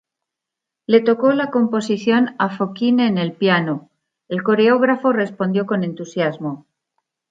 Le tocó la composición a Fokine en el piano; el coreógrafo respondió con entusiasmo.